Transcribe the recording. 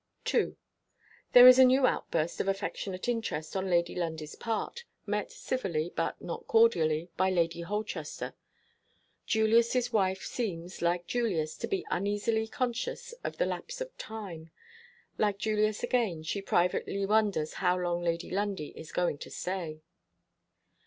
II. There is a new outburst of affectionate interest on Lady Lundie's part met civilly, but not cordially, by Lady Holchester. Julius's wife seems, like Julius, to be uneasily conscious of the lapse of time. Like Julius again, she privately wonders how long Lady Lundie is going to stay.